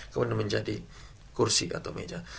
kemudian menjadi kursi atau meja